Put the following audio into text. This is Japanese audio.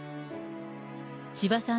千葉さん